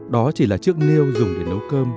đó chỉ là chiếc nêu dùng để nấu cơm